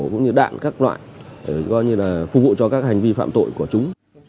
cũng như đạn các loại có như là phục vụ cho các hành vi phạm tội của chúng